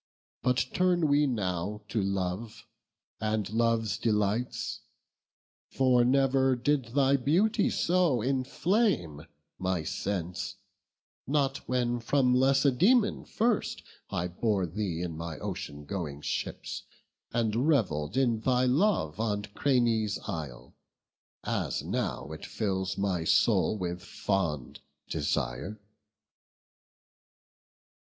But turn we now to love, and love's delights; For never did thy beauty so inflame My sense; not when from Lacedaemon first I bore thee in my ocean going ships, And revell'd in thy love on Cranae's isle, As now it fills my soul with fond desire."